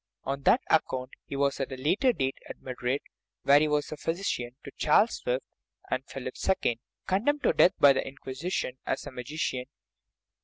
On that account he was, at a later date, at Madrid where he was physician to Charles V. and Philip II. condemned to death by the Inquisition as a magician.